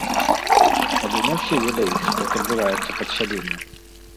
Але не ўсе ведаюць, як адбываецца падсяленне.